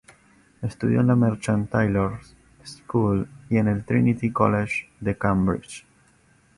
Estudió en la Merchant Taylor’s School y en el Trinity College de Cambridge.